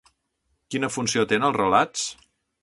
Quina funció té en els relats?